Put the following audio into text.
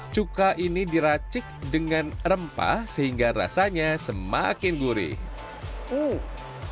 cuka ini diracik dengan rempah sehingga rasanya semakin gurih uh